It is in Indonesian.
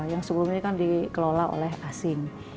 yang sebelumnya kan dikelola oleh asing